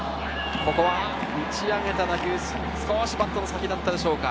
ここは打ち上げた打球、少しバットの先だったでしょうか。